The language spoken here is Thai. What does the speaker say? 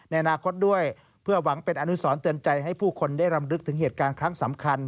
ในอนาคตด้วยเพื่อหวังเป็นอนุสรเตือนใจให้ผู้คนได้รำลึกถึงเหตุการณ์ครั้งสำคัญ